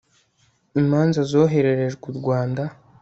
imanza zohererejwe u rwanda